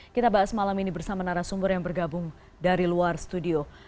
kita bahas malam ini bersama narasumber yang bergabung dari luar studio